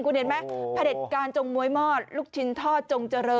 คุณเห็นไหมผลิตการจงมวยมอดลูกชิ้นทอดจงเจริญ